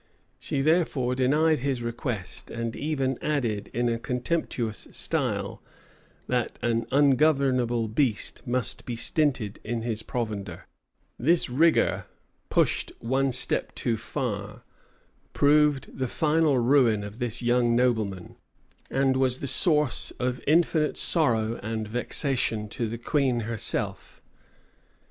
She therefore denied his request; and even added, in a contemptuous style, that an ungovernable beast must be stinted in his provender.[] * Camden, p. 628. Birch's Memoirs, vol. ii. p. 472. Camden, p. 628. This rigor, pushed one step too far, proved the final ruin of this young nobleman, and was the source of infinite sorrow and vexation to the queen herself.